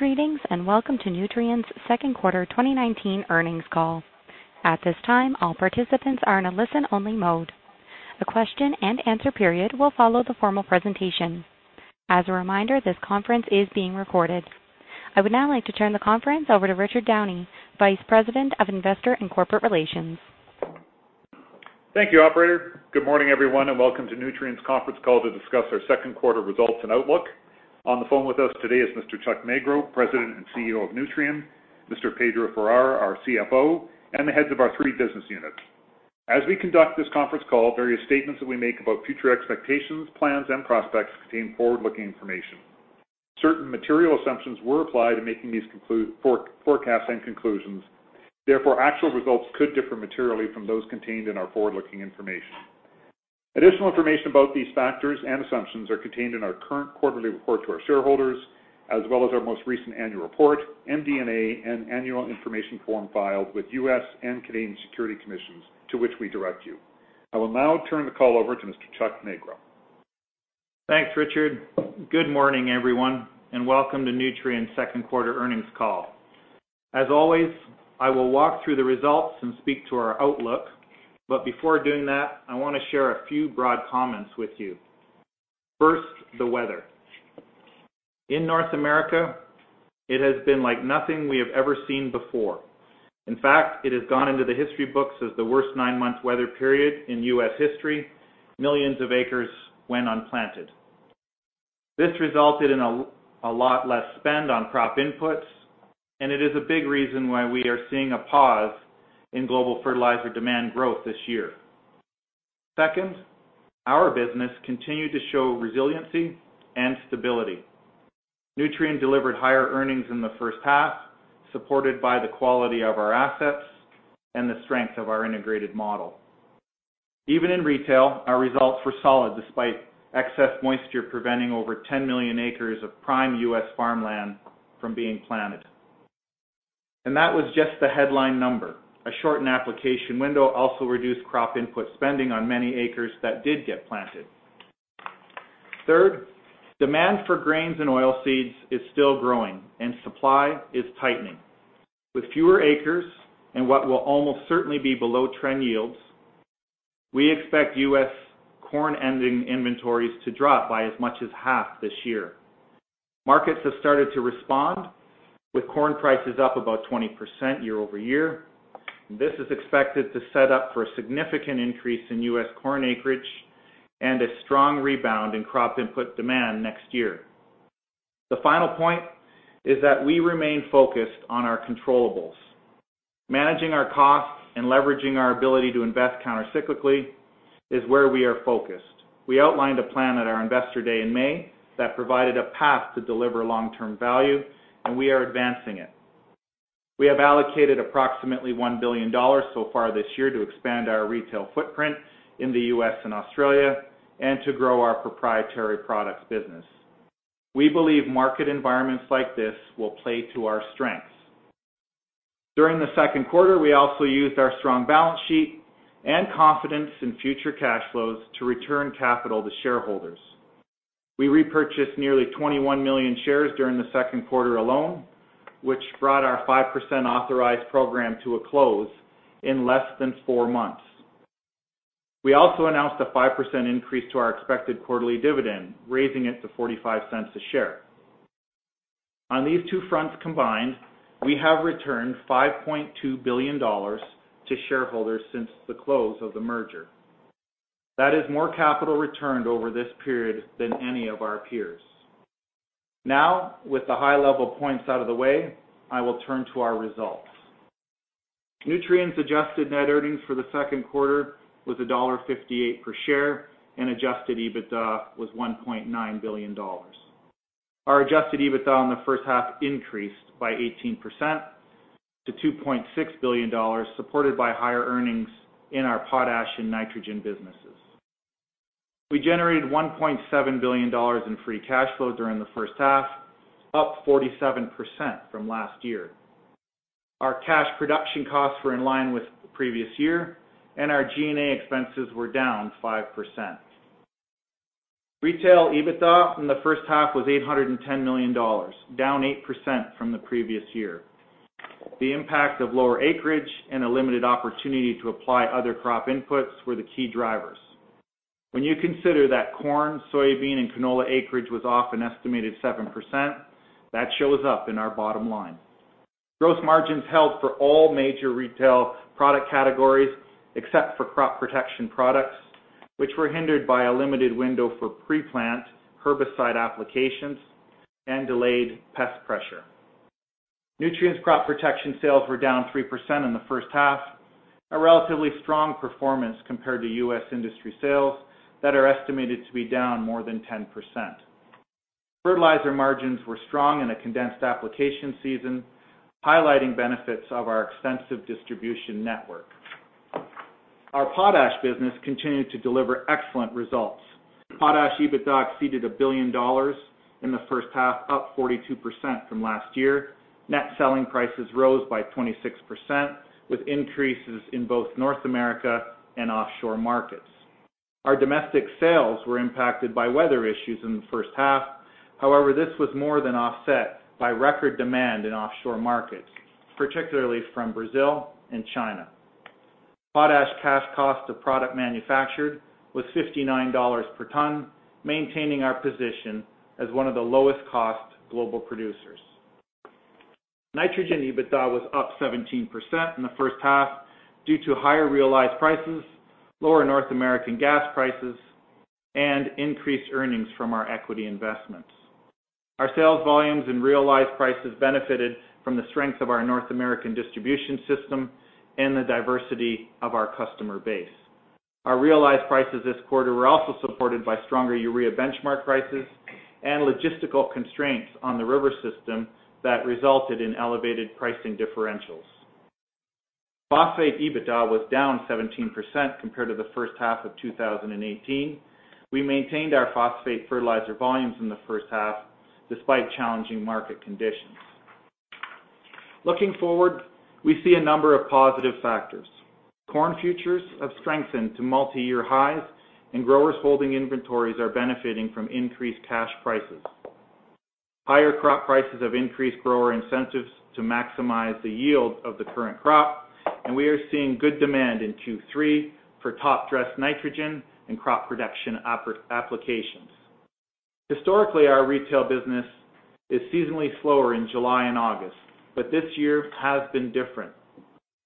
Greetings, and welcome to Nutrien's second quarter 2019 earnings call. At this time, all participants are in a listen-only mode. The question and answer period will follow the formal presentation. As a reminder, this conference is being recorded. I would now like to turn the conference over to Richard Downey, Vice President of Investor and Corporate Relations. Thank you, operator. Good morning, everyone, welcome to Nutrien's conference call to discuss our second quarter results and outlook. On the phone with us today is Mr. Chuck Magro, President and CEO of Nutrien, Mr. Pedro Farah, our CFO, and the heads of our three business units. As we conduct this conference call, various statements that we make about future expectations, plans, and prospects contain forward-looking information. Certain material assumptions were applied in making these forecasts and conclusions. Therefore, actual results could differ materially from those contained in our forward-looking information. Additional information about these factors and assumptions are contained in our current quarterly report to our shareholders, as well as our most recent annual report, MD&A, and annual information form filed with U.S. and Canadian securities commissions to which we direct you. I will now turn the call over to Mr. Chuck Magro. Thanks, Richard. Good morning, everyone, welcome to Nutrien's second quarter earnings call. As always, I will walk through the results and speak to our outlook. Before doing that, I want to share a few broad comments with you. First, the weather. In North America, it has been like nothing we have ever seen before. In fact, it has gone into the history books as the worst nine-month weather period in U.S. history. Millions of acres went unplanted. This resulted in a lot less spend on crop inputs, and it is a big reason why we are seeing a pause in global fertilizer demand growth this year. Second, our business continued to show resiliency and stability. Nutrien delivered higher earnings in the first half, supported by the quality of our assets and the strength of our integrated model. Even in Retail, our results were solid, despite excess moisture preventing over 10 million acres of prime U.S. farmland from being planted. That was just the headline number. A shortened application window also reduced crop input spending on many acres that did get planted. Third, demand for grains and oilseeds is still growing, and supply is tightening. With fewer acres and what will almost certainly be below-trend yields, we expect U.S. corn ending inventories to drop by as much as half this year. Markets have started to respond, with corn prices up about 20% year-over-year. This is expected to set up for a significant increase in U.S. corn acreage and a strong rebound in crop input demand next year. The final point is that we remain focused on our controllables. Managing our costs and leveraging our ability to invest countercyclically is where we are focused. We outlined a plan at our Investor Day in May that provided a path to deliver long-term value, and we are advancing it. We have allocated approximately $1 billion so far this year to expand our Retail footprint in the U.S. and Australia and to grow our proprietary products business. We believe market environments like this will play to our strengths. During the second quarter, we also used our strong balance sheet and confidence in future cash flows to return capital to shareholders. We repurchased nearly 21 million shares during the second quarter alone, which brought our 5% authorized program to a close in less than four months. We also announced a 5% increase to our expected quarterly dividend, raising it to $0.45 a share. On these two fronts combined, we have returned $5.2 billion to shareholders since the close of the merger. That is more capital returned over this period than any of our peers. With the high-level points out of the way, I will turn to our results. Nutrien's adjusted net earnings for the second quarter was $1.58 per share, and adjusted EBITDA was $1.9 billion. Our adjusted EBITDA in the first half increased by 18% to $2.6 billion, supported by higher earnings in our potash and nitrogen businesses. We generated $1.7 billion in free cash flow during the first half, up 47% from last year. Our cash production costs were in line with the previous year, and our G&A expenses were down 5%. Retail EBITDA in the first half was $810 million, down 8% from the previous year. The impact of lower acreage and a limited opportunity to apply other crop inputs were the key drivers. When you consider that corn, soybean, and canola acreage was off an estimated 7%, that shows up in our bottom line. Gross margins held for all major Retail product categories except for crop protection products, which were hindered by a limited window for pre-plant herbicide applications and delayed pest pressure. Nutrien's crop protection sales were down 3% in the first half, a relatively strong performance compared to U.S. industry sales that are estimated to be down more than 10%. Fertilizer margins were strong in a condensed application season, highlighting benefits of our extensive distribution network. Our potash business continued to deliver excellent results. Potash EBITDA exceeded $1 billion in the first half, up 42% from last year. Net selling prices rose by 26%, with increases in both North America and offshore markets. Our domestic sales were impacted by weather issues in the first half. This was more than offset by record demand in offshore markets, particularly from Brazil and China. Potash cash cost of product manufactured was $59 per ton, maintaining our position as one of the lowest cost global producers. Nitrogen EBITDA was up 17% in the first half due to higher realized prices, lower North American gas prices, and increased earnings from our equity investments. Our sales volumes and realized prices benefited from the strength of our North American distribution system and the diversity of our customer base. Our realized prices this quarter were also supported by stronger urea benchmark prices and logistical constraints on the river system that resulted in elevated pricing differentials. Phosphate EBITDA was down 17% compared to the first half of 2018. We maintained our phosphate fertilizer volumes in the first half, despite challenging market conditions. Looking forward, we see a number of positive factors. Corn futures have strengthened to multiyear highs, and growers holding inventories are benefiting from increased cash prices. Higher crop prices have increased grower incentives to maximize the yield of the current crop, and we are seeing good demand in Q3 for top dress nitrogen and crop protection applications. Historically, our Retail business is seasonally slower in July and August, but this year has been different.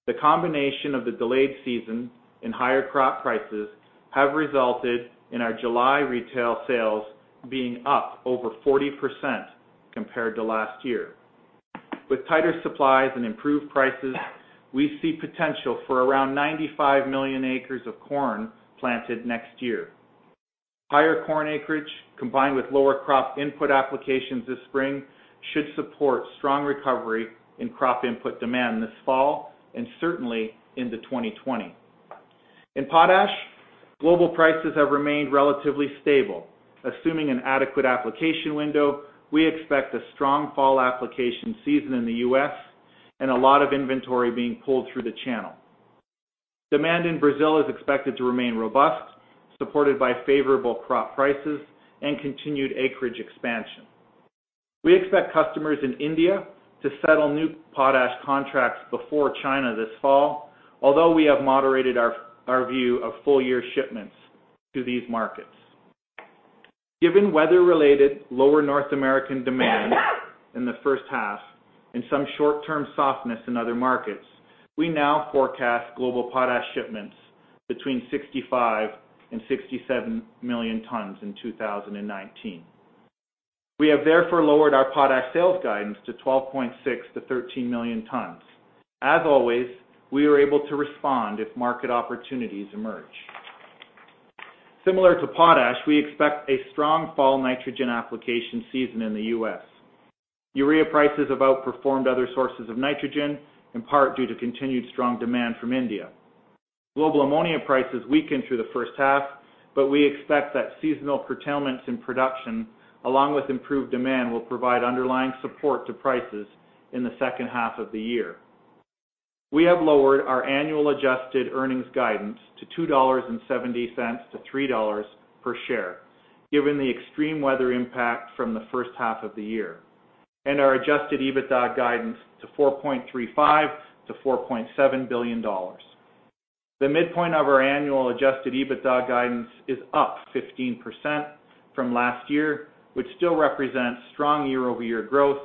The combination of the delayed season and higher crop prices have resulted in our July Retail sales being up over 40% compared to last year. With tighter supplies and improved prices, we see potential for around 95 million acres of corn planted next year. Higher corn acreage, combined with lower crop input applications this spring, should support strong recovery in crop input demand this fall and certainly into 2020. In potash, global prices have remained relatively stable. Assuming an adequate application window, we expect a strong fall application season in the U.S. and a lot of inventory being pulled through the channel. Demand in Brazil is expected to remain robust, supported by favorable crop prices and continued acreage expansion. We expect customers in India to settle new potash contracts before China this fall, although we have moderated our view of full-year shipments to these markets. Given weather-related lower North American demand in the first half and some short-term softness in other markets, we now forecast global potash shipments between 65 million tons and 67 million tons in 2019. We have therefore lowered our potash sales guidance to 12.6 million tons-13 million tons. As always, we are able to respond if market opportunities emerge. Similar to potash, we expect a strong fall nitrogen application season in the U.S. Urea prices have outperformed other sources of nitrogen, in part due to continued strong demand from India. Global ammonia prices weakened through the first half, but we expect that seasonal curtailments in production, along with improved demand, will provide underlying support to prices in the second half of the year. We have lowered our annual adjusted earnings guidance to $2.70-$3 per share, given the extreme weather impact from the first half of the year, and our adjusted EBITDA guidance to $4.35 billion-$4.7 billion. The midpoint of our annual adjusted EBITDA guidance is up 15% from last year, which still represents strong year-over-year growth,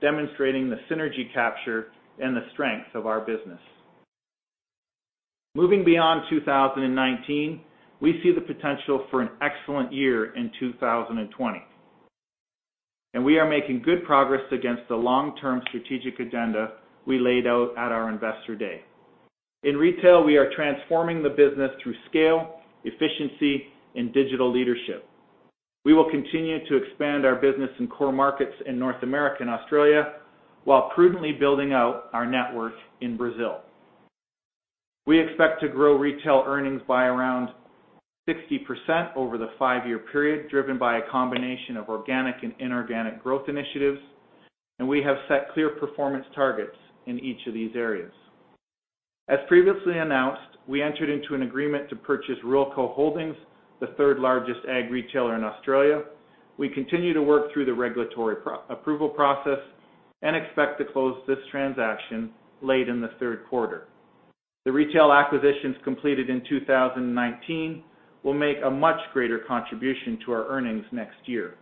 demonstrating the synergy capture and the strength of our business. Moving beyond 2019, we see the potential for an excellent year in 2020, and we are making good progress against the long-term strategic agenda we laid out at our Investor Day. In Retail, we are transforming the business through scale, efficiency, and digital leadership. We will continue to expand our business in core markets in North America and Australia while prudently building out our network in Brazil. We expect to grow retail earnings by around 60% over the five-year period, driven by a combination of organic and inorganic growth initiatives. We have set clear performance targets in each of these areas. As previously announced, we entered into an agreement to purchase Ruralco Holdings, the third-largest ag retailer in Australia. We continue to work through the regulatory approval process and expect to close this transaction late in the third quarter. The Retail acquisitions completed in 2019 will make a much greater contribution to our earnings next year.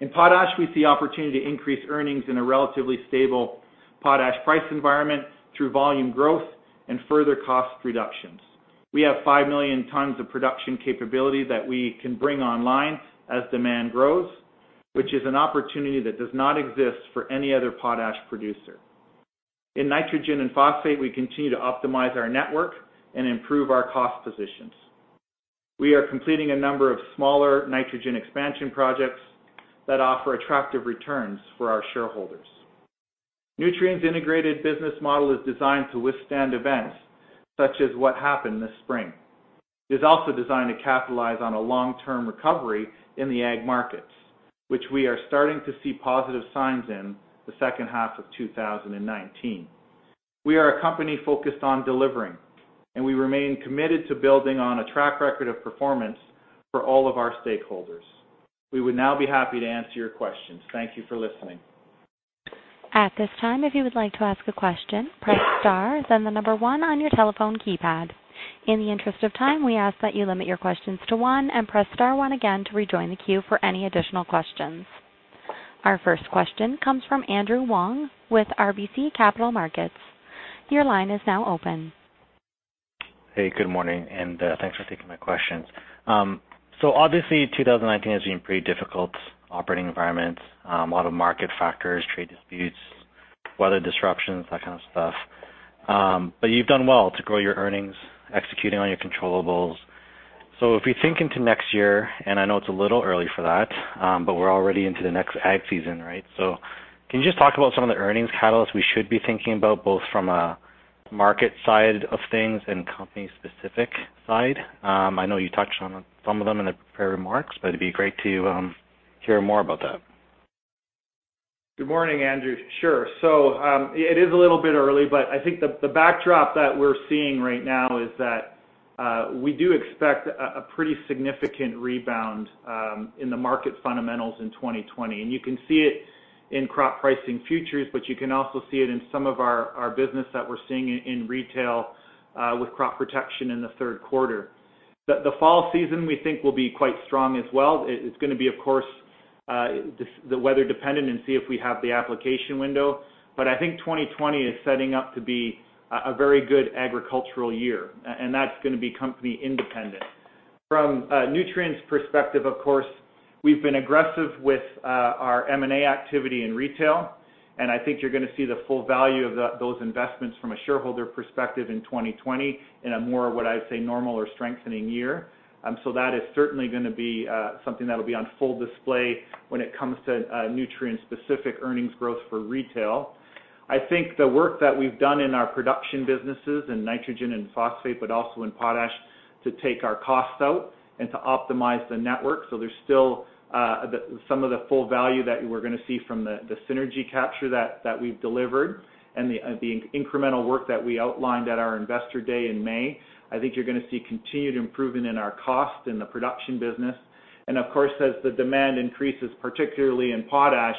In Potash, we see opportunity to increase earnings in a relatively stable potash price environment through volume growth and further cost reductions. We have 5 million tons of production capability that we can bring online as demand grows, which is an opportunity that does not exist for any other potash producer. In nitrogen and phosphate, we continue to optimize our network and improve our cost positions. We are completing a number of smaller nitrogen expansion projects that offer attractive returns for our shareholders. Nutrien's integrated business model is designed to withstand events such as what happened this spring. It is also designed to capitalize on a long-term recovery in the ag markets, which we are starting to see positive signs in the second half of 2019. We are a company focused on delivering, and we remain committed to building on a track record of performance for all of our stakeholders. We would now be happy to answer your questions. Thank you for listening. At this time, if you would like to ask a question, press star, then the number one on your telephone keypad. In the interest of time, we ask that you limit your questions to one and press star, one again to rejoin the queue for any additional questions. Our first question comes from Andrew Wong with RBC Capital Markets. Your line is now open. Hey, good morning, and thanks for taking my questions. Obviously 2019 has been pretty difficult operating environments, a lot of market factors, trade disputes, weather disruptions, that kind of stuff. You've done well to grow your earnings, executing on your controllables. If we think into next year, and I know it's a little early for that, but we're already into the next ag season, right? Can you just talk about some of the earnings catalysts we should be thinking about, both from a market side of things and company specific side? I know you touched on some of them in the prepared remarks, but it'd be great to hear more about that. Good morning, Andrew. Sure. It is a little bit early, but I think the backdrop that we're seeing right now is that we do expect a pretty significant rebound in the market fundamentals in 2020, and you can see it in crop pricing futures, but you can also see it in some of our business that we're seeing in Retail with crop protection in the third quarter. The fall season, we think will be quite strong as well. It's going to be, of course, weather dependent and see if we have the application window. I think 2020 is setting up to be a very good agricultural year. That's going to be company independent. From Nutrien's perspective, of course, we've been aggressive with our M&A activity in Retail, and I think you're going to see the full value of those investments from a shareholder perspective in 2020 in a more, what I would say, normal or strengthening year. That is certainly going to be something that will be on full display when it comes to Nutrien-specific earnings growth for Retail. I think the work that we've done in our production businesses in Nitrogen and Phosphate, but also in Potash to take our costs out and to optimize the network. There's still some of the full value that we're going to see from the synergy capture that we've delivered and the incremental work that we outlined at our investor day in May. I think you're going to see continued improvement in our cost in the production business. Of course, as the demand increases, particularly in Potash,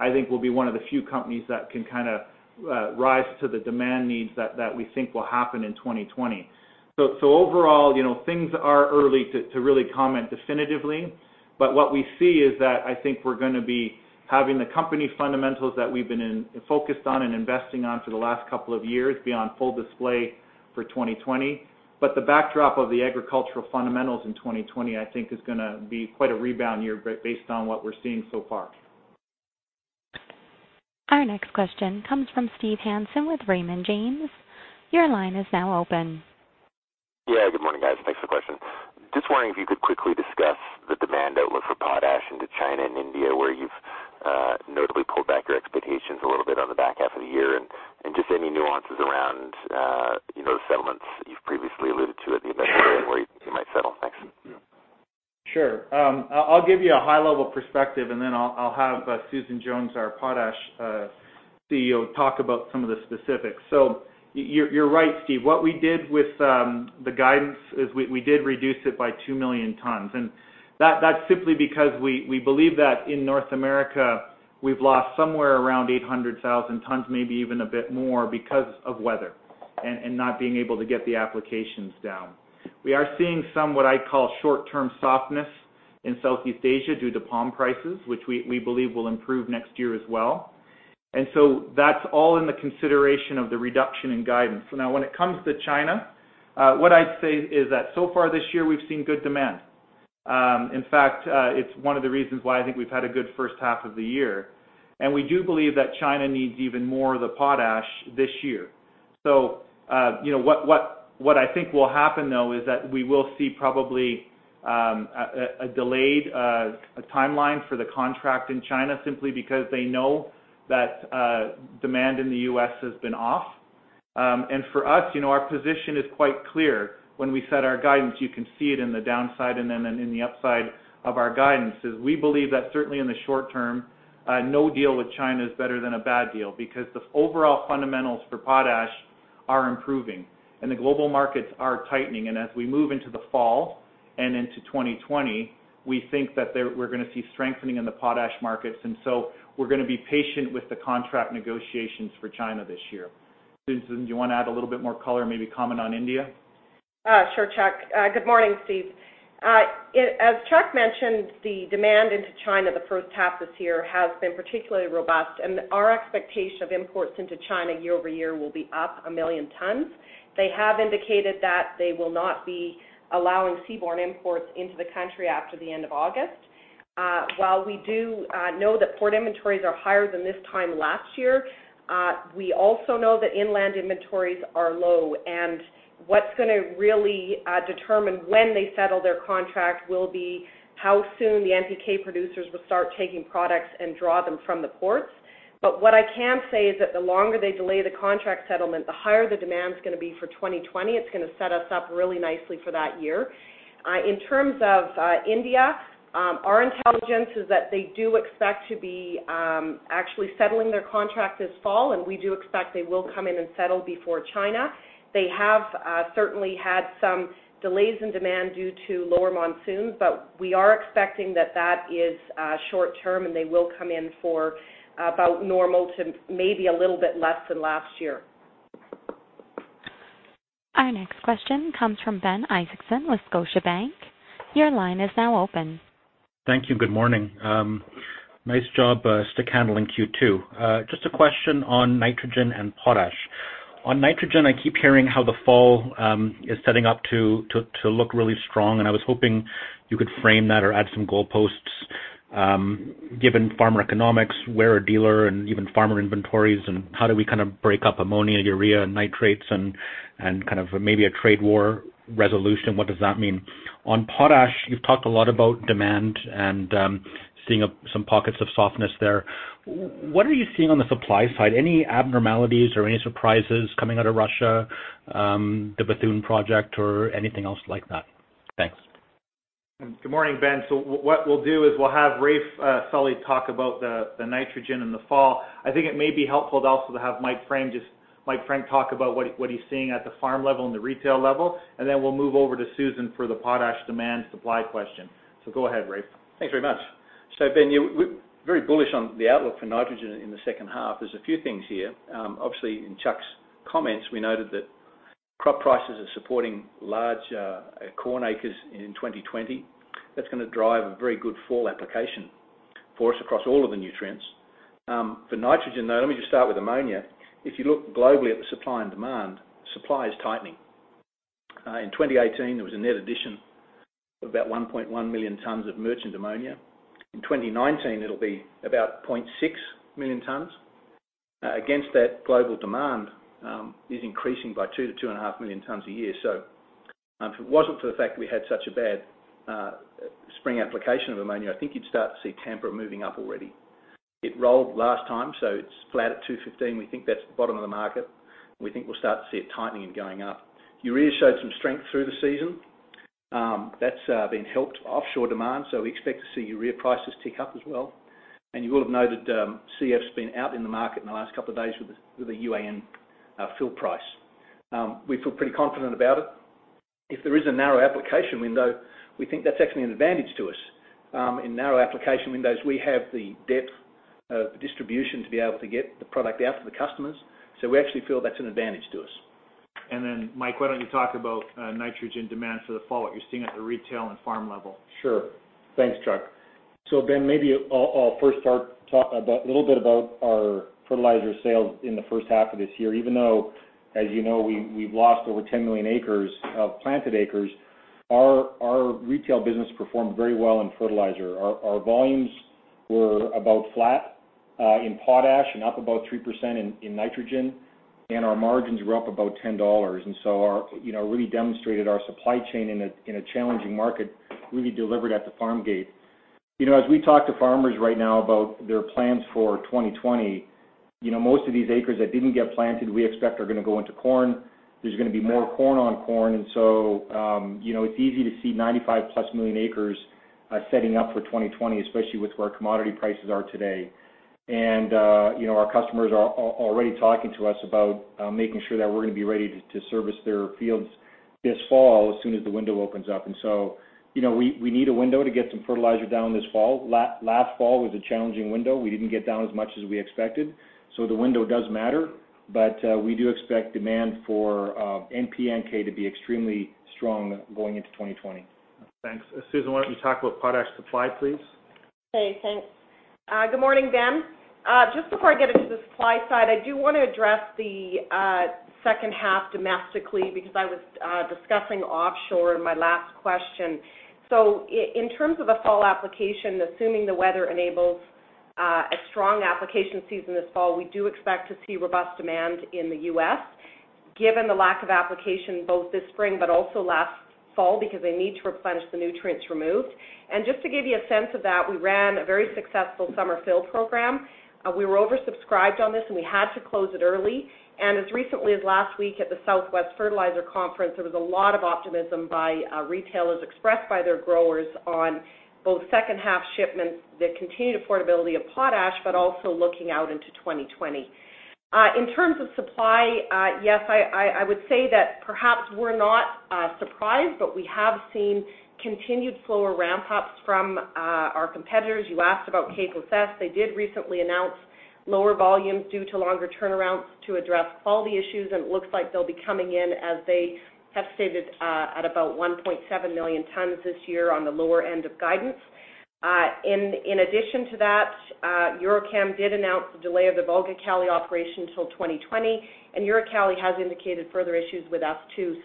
I think we'll be one of the few companies that can kind of rise to the demand needs that we think will happen in 2020. Overall, things are early to really comment definitively. What we see is that I think we're going to be having the company fundamentals that we've been focused on and investing on for the last couple of years be on full display for 2020. The backdrop of the agricultural fundamentals in 2020, I think, is going to be quite a rebound year based on what we're seeing so far. Our next question comes from Steve Hansen with Raymond James. Your line is now open. Yeah, good morning, guys. Thanks for the question. Just wondering if you could quickly discuss the demand outlook for potash into China and India, where you've notably pulled back your expectations a little bit on the back half of the year and just any nuances around those settlements you've previously alluded to at the Investor Day where you might settle. Thanks. Sure. I'll give you a high-level perspective, and then I'll have Susan Jones, our Potash CEO, talk about some of the specifics. You're right, Steve. What we did with the guidance is we did reduce it by 2 million tons, and that's simply because we believe that in North America, we've lost somewhere around 800,000 tons, maybe even a bit more because of weather and not being able to get the applications down. We are seeing some, what I call short-term softness in Southeast Asia due to palm prices, which we believe will improve next year as well. That's all in the consideration of the reduction in guidance. When it comes to China, what I'd say is that so far this year, we've seen good demand. In fact, it's one of the reasons why I think we've had a good first half of the year. We do believe that China needs even more of the potash this year. What I think will happen, though, is that we will see probably a delayed timeline for the contract in China simply because they know that demand in the U.S. has been off. For us, our position is quite clear. When we set our guidance, you can see it in the downside and in the upside of our guidance is we believe that certainly in the short term, no deal with China is better than a bad deal because the overall fundamentals for potash are improving, and the global markets are tightening. As we move into the fall and into 2020, we think that we're going to see strengthening in the potash markets, and so we're going to be patient with the contract negotiations for China this year. Susan, do you want to add a little bit more color, maybe comment on India? Sure, Chuck. Good morning, Steve. As Chuck mentioned, the demand into China the first half this year has been particularly robust, and our expectation of imports into China year-over-year will be up 1 million tons. They have indicated that they will not be allowing seaborne imports into the country after the end of August. While we do know that port inventories are higher than this time last year, we also know that inland inventories are low, and what's going to really determine when they settle their contract will be how soon the NPK producers will start taking products and draw them from the ports. What I can say is that the longer they delay the contract settlement, the higher the demand is going to be for 2020. It's going to set us up really nicely for that year. In terms of India, our intelligence is that they do expect to be actually settling their contract this fall. We do expect they will come in and settle before China. They have certainly had some delays in demand due to lower monsoons. We are expecting that is short-term. They will come in for about normal to maybe a little bit less than last year. Our next question comes from Ben Isaacson with Scotiabank. Your line is now open. Thank you. Good morning. Nice job stick handling Q2. Just a question on nitrogen and potash. On nitrogen, I keep hearing how the fall is setting up to look really strong, and I was hoping you could frame that or add some goalposts given farmer economics, where a dealer and even farmer inventories, and how do we kind of break up ammonia, urea, and nitrates and kind of maybe a trade war resolution, what does that mean? On potash, you've talked a lot about demand and seeing some pockets of softness there. What are you seeing on the supply side? Any abnormalities or any surprises coming out of Russia, the Bethune Project or anything else like that? Thanks. Good morning, Ben. What we'll do is we'll have Raef Sully talk about the nitrogen in the fall. I think it may be helpful to also have Mike Frank talk about what he's seeing at the farm level and the Retail level, and then we'll move over to Susan for the potash demand supply question. Go ahead, Raef. Thanks very much. Ben, we're very bullish on the outlook for nitrogen in the second half. There's a few things here. Obviously, in Chuck's comments, we noted that crop prices are supporting large corn acres in 2020. That's going to drive a very good fall application for us across all of the nutrients. For nitrogen, though, let me just start with ammonia. If you look globally at the supply and demand, supply is tightening. In 2018, there was a net addition of about 1.1 million tons of merchant ammonia. In 2019, it'll be about 0.6 million tons. Against that, global demand is increasing by 2 million tons-2.5 million tons a year. If it wasn't for the fact that we had such a bad spring application of ammonia, I think you'd start to see Tampa moving up already. It rolled last time, it's flat at $215. We think that's the bottom of the market. We think we'll start to see it tightening and going up. Urea showed some strength through the season. That's been helped by offshore demand. We expect to see urea prices tick up as well. You will have noted CF's been out in the market in the last couple of days with a UAN fill price. We feel pretty confident about it. If there is a narrow application window, we think that's actually an advantage to us. In narrow application windows, we have the depth of distribution to be able to get the product out to the customers. We actually feel that's an advantage to us. Mike, why don't you talk about nitrogen demand for the fall, what you're seeing at the Retail and farm level? Thanks, Chuck. Ben, maybe I'll first start talk a little bit about our fertilizer sales in the first half of this year. Even though, as you know, we've lost over 10 million acres of planted acres, our Retail business performed very well in fertilizer. Our volumes were about flat in potash and up about 3% in nitrogen, and our margins were up about $10. Really demonstrated our supply chain in a challenging market really delivered at the farm gate. As we talk to farmers right now about their plans for 2020, most of these acres that didn't get planted we expect are going to go into corn. There's going to be more corn on corn, it's easy to see 95+ million acres setting up for 2020, especially with where commodity prices are today. Our customers are already talking to us about making sure that we're going to be ready to service their fields this fall as soon as the window opens up. We need a window to get some fertilizer down this fall. Last fall was a challenging window. We didn't get down as much as we expected. The window does matter, but we do expect demand for NPK to be extremely strong going into 2020. Thanks. Susan, why don't you talk about potash supply, please? Okay, thanks. Good morning, Ben. Just before I get into the supply side, I do want to address the second half domestically because I was discussing offshore in my last question. In terms of a fall application, assuming the weather enables a strong application season this fall, we do expect to see robust demand in the U.S., given the lack of application both this spring but also last fall because they need to replenish the nutrients removed. Just to give you a sense of that, we ran a very successful summer fill program. We were oversubscribed on this, and we had to close it early. As recently as last week at the Southwestern Fertilizer Conference, there was a lot of optimism by retailers expressed by their growers on both second half shipments, the continued affordability of potash, but also looking out into 2020. In terms of supply, yes, I would say that perhaps we're not surprised, but we have seen continued slower ramp-ups from our competitors. You asked about K+S. They did recently announce lower volumes due to longer turnarounds to address quality issues, and it looks like they'll be coming in as they have stated at about 1.7 million tons this year on the lower end of guidance. In addition to that, EuroChem did announce the delay of the VolgaKaliy operation till 2020, and Uralkali has indicated further issues with us too.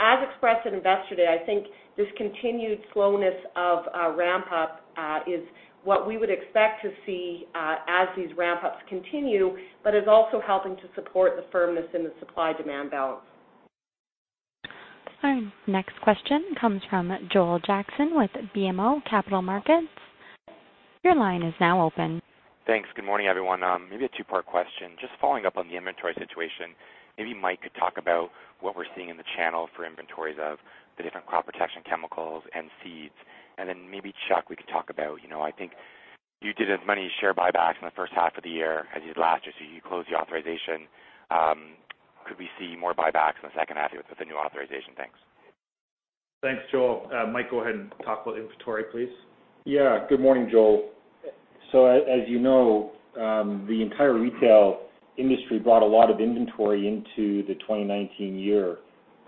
As expressed at Investor Day, I think this continued slowness of ramp-up is what we would expect to see as these ramp-ups continue, but is also helping to support the firmness in the supply-demand balance. Our next question comes from Joel Jackson with BMO Capital Markets. Your line is now open. Thanks, good morning, everyone. Maybe a two-part question. Just following up on the inventory situation, maybe Mike could talk about what we're seeing in the channel for inventories of the different crop protection chemicals and seeds. Maybe, Chuck, we could talk about, I think you did as many share buybacks in the first half of the year as you did last year. You closed the authorization. Could we see more buybacks in the second half with the new authorization? Thanks. Thanks, Joel. Mike, go ahead and talk about inventory, please. Good morning, Joel. As you know, the entire Retail industry brought a lot of inventory into the 2019 year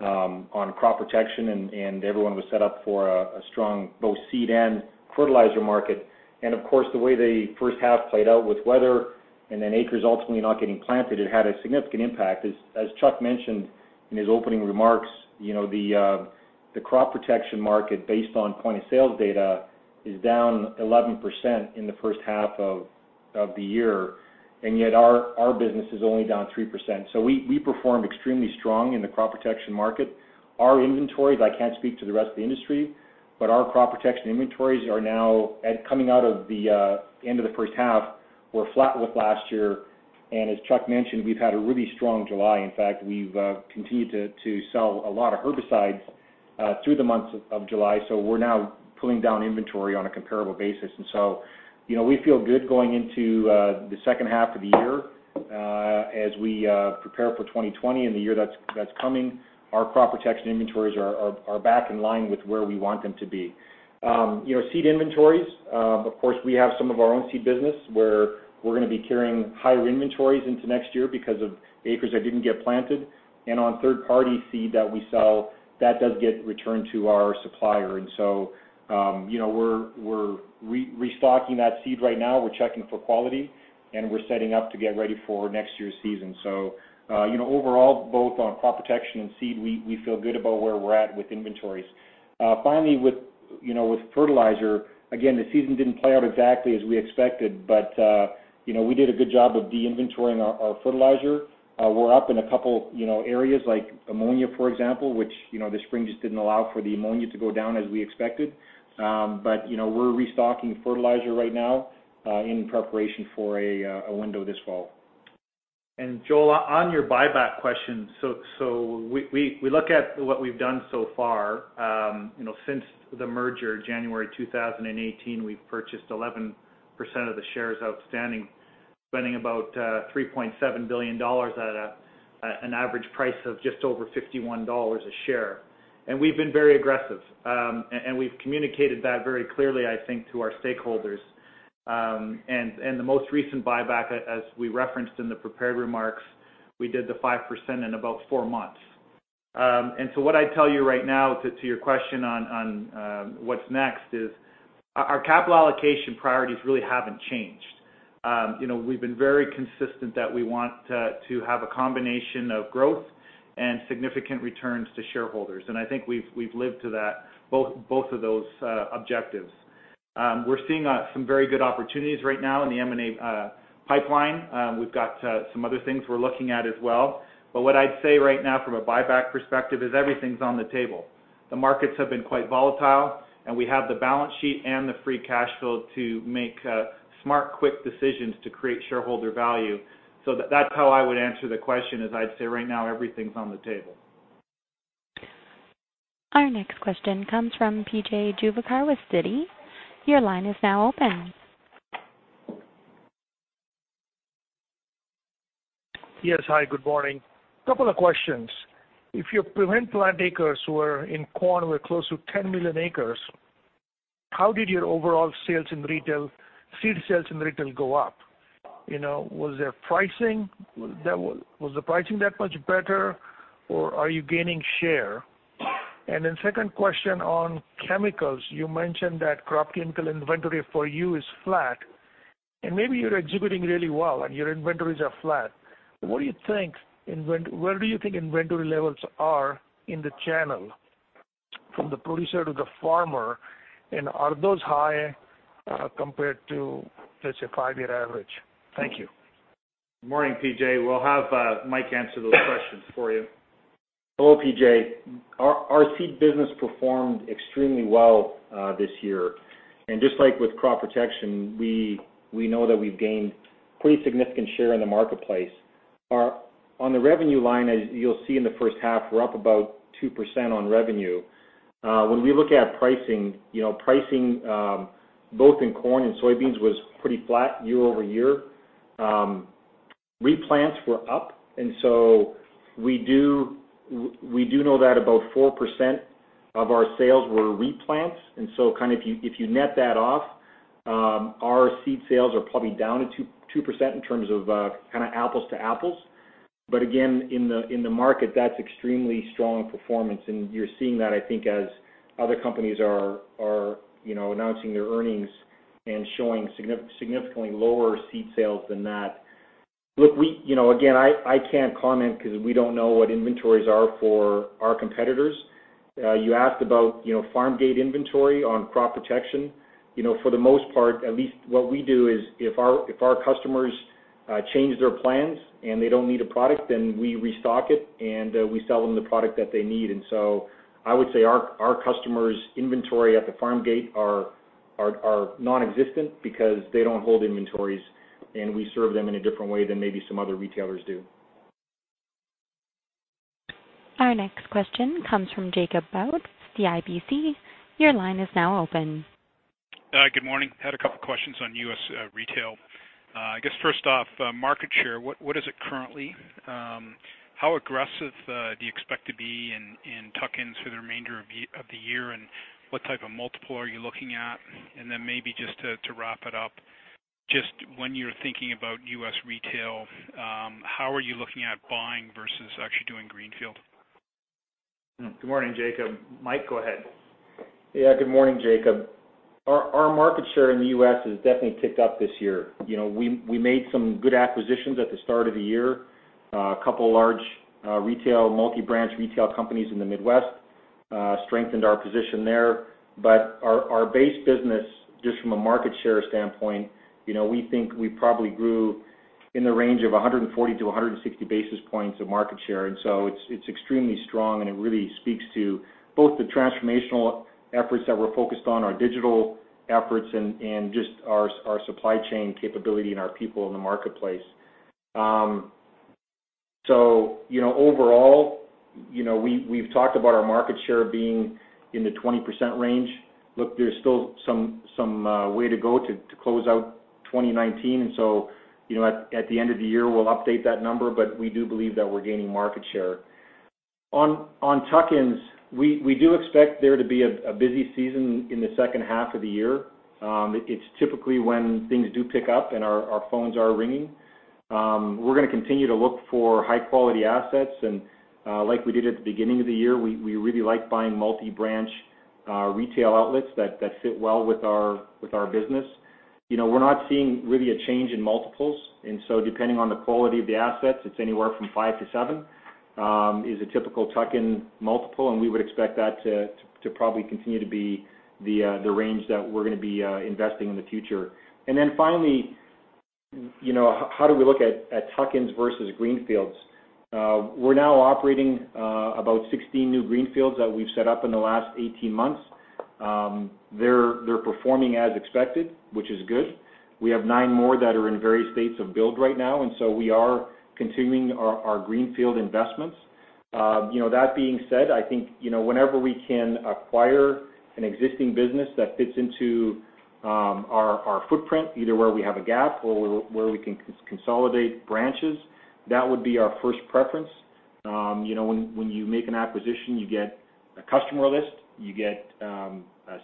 on crop protection, and everyone was set up for a strong both seed and fertilizer market. Of course, the way the first half played out with weather and then acres ultimately not getting planted, it had a significant impact. As Chuck mentioned in his opening remarks, the crop protection market, based on point-of-sales data, is down 11% in the first half of the year, and yet our business is only down 3%. We performed extremely strong in the crop protection market. Our inventories, I can't speak to the rest of the industry, but our crop protection inventories are now coming out of the end of the first half, we're flat with last year, and as Chuck mentioned, we've had a really strong July. We've continued to sell a lot of herbicides through the month of July. We're now pulling down inventory on a comparable basis. We feel good going into the second half of the year as we prepare for 2020 and the year that's coming. Our crop protection inventories are back in line with where we want them to be. seed inventories, of course, we have some of our own seed business where we're going to be carrying higher inventories into next year because of acres that didn't get planted. On third-party seed that we sell, that does get returned to our supplier. We're restocking that seed right now. We're checking for quality, and we're setting up to get ready for next year's season. Overall, both on crop protection and seed, we feel good about where we're at with inventories. With fertilizer, again, the season didn't play out exactly as we expected, we did a good job of de-inventoring our fertilizer. We're up in a couple areas like ammonia, for example, which this spring just didn't allow for the ammonia to go down as we expected. We're restocking fertilizer right now in preparation for a window this fall. Joel, on your buyback question, we look at what we've done so far. Since the merger January 2018, we've purchased 11% of the shares outstanding, spending about $3.7 billion at an average price of just over $51 a share. We've been very aggressive, and we've communicated that very clearly, I think, to our stakeholders. The most recent buyback, as we referenced in the prepared remarks, we did the 5% in about four months. What I'd tell you right now to your question on what's next is our capital allocation priorities really haven't changed. We've been very consistent that we want to have a combination of growth and significant returns to shareholders, and I think we've lived to that, both of those objectives. We're seeing some very good opportunities right now in the M&A pipeline. We've got some other things we're looking at as well. What I'd say right now from a buyback perspective is everything's on the table. The markets have been quite volatile, and we have the balance sheet and the free cash flow to make smart, quick decisions to create shareholder value. That's how I would answer the question, is I'd say right now everything's on the table. Our next question comes from P.J. Juvekar with Citi. Your line is now open. Yes. Hi, good morning. Couple of questions. If your prevent plant acres were in corn were close to 10 million acres, how did your overall seed sales in Retail go up? Was the pricing that much better, or are you gaining share? Second question on chemicals. You mentioned that crop chemical inventory for you is flat, and maybe you're executing really well and your inventories are flat. Where do you think inventory levels are in the channel from the producer to the farmer, and are those high compared to, let's say, five-year average? Thank you. Morning, P.J. We'll have Mike answer those questions for you. Hello, P.J. Our seed business performed extremely well this year. Just like with crop protection, we know that we've gained pretty significant share in the marketplace. On the revenue line, as you'll see in the first half, we're up about 2% on revenue. When we look at pricing both in corn and soybeans was pretty flat year-over-year. Replants were up, and so we do know that about 4% of our sales were replants. If you net that off, our seed sales are probably down at 2% in terms of apples to apples. Again, in the market, that's extremely strong performance, and you're seeing that, I think, as other companies are announcing their earnings and showing significantly lower seed sales than that. Look, again, I can't comment because we don't know what inventories are for our competitors. You asked about farm gate inventory on crop protection. For the most part, at least what we do is if our customer change their plans and they don't need a product, then we restock it and we sell them the product that they need. I would say our customers' inventory at the farm gate are nonexistent because they don't hold inventories, and we serve them in a different way than maybe some other retailers do. Our next question comes from Jacob Bout, CIBC. Your line is now open. Good morning. Had two questions on U.S. Retail. I guess first off, market share, what is it currently? How aggressive do you expect to be in tuck-ins for the remainder of the year? What type of multiple are you looking at? Maybe just to wrap it up, just when you're thinking about U.S. Retail, how are you looking at buying versus actually doing greenfield? Good morning, Jacob. Mike, go ahead. Yeah, good morning, Jacob. Our market share in the U.S. has definitely ticked up this year. We made some good acquisitions at the start of the year. A couple large multi-branch retail companies in the Midwest strengthened our position there. Our base business, just from a market share standpoint, we think we probably grew in the range of 140 basis points-160 basis points of market share. It's extremely strong, and it really speaks to both the transformational efforts that we're focused on, our digital efforts, and just our supply chain capability and our people in the marketplace. Overall, we've talked about our market share being in the 20% range. Look, there's still some way to go to close out 2019. At the end of the year, we'll update that number, but we do believe that we're gaining market share. On tuck-ins, we do expect there to be a busy season in the second half of the year. It's typically when things do pick up and our phones are ringing. We're going to continue to look for high-quality assets, and like we did at the beginning of the year, we really like buying multi-branch Retail outlets that fit well with our business. We're not seeing really a change in multiples, and so depending on the quality of the assets, it's anywhere from five to seven is a typical tuck-in multiple, and we would expect that to probably continue to be the range that we're going to be investing in the future. Finally, how do we look at tuck-ins versus greenfields? We're now operating about 16 new greenfields that we've set up in the last 18 months. They're performing as expected, which is good. We have nine more that are in various states of build right now, and so we are continuing our greenfield investments. That being said, I think whenever we can acquire an existing business that fits into our footprint, either where we have a gap or where we can consolidate branches, that would be our first preference. When you make an acquisition, you get a customer list, you get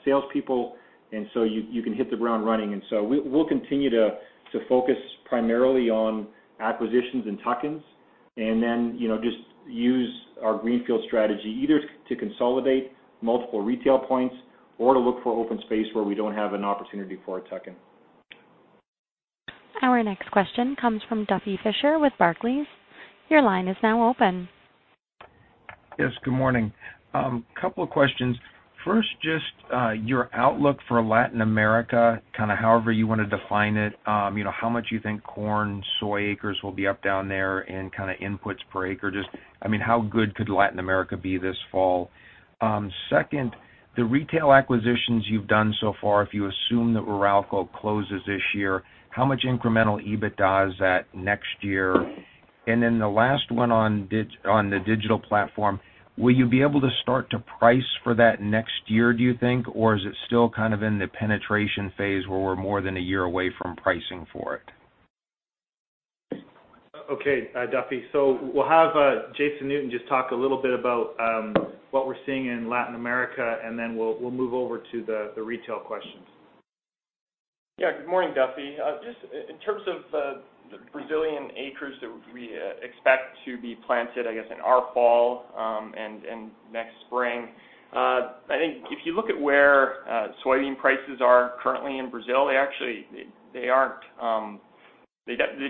salespeople, and so you can hit the ground running. We'll continue to focus primarily on acquisitions and tuck-ins, and then just use our greenfield strategy either to consolidate multiple Retail points or to look for open space where we don't have an opportunity for a tuck-in. Our next question comes from Duffy Fischer with Barclays. Your line is now open. Yes, good morning. Couple of questions. First, just your outlook for Latin America, kind of however you want to define it. How much you think corn, soy acres will be up down there, and kind of inputs per acre. Just how good could Latin America be this fall? Second, the Retail acquisitions you've done so far, if you assume that Ruralco closes this year, how much incremental EBITDA is that next year? The last one on the digital platform, will you be able to start to price for that next year, do you think, or is it still kind of in the penetration phase where we're more than one year away from pricing for it? Okay, Duffy. We'll have Jason Newton just talk a little bit about what we're seeing in Latin America, and then we'll move over to the Retail questions. Good morning, Duffy. Just in terms of the Brazilian acres that we expect to be planted, I guess, in our fall, and next spring, I think if you look at where soybean prices are currently in Brazil, they